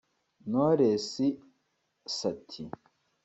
Knowles sati